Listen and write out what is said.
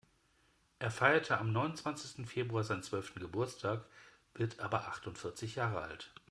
Er feiert am neunundzwanzigsten Februar seinen zwölften Geburtstag, wird aber achtundvierzig Jahre alt.